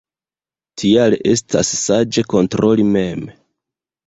Tial estas saĝe kontroli mem.